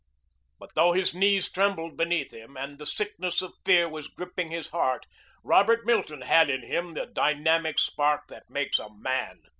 But though his knees trembled beneath him and the sickness of fear was gripping his heart, Robert Milton had in him the dynamic spark that makes a man.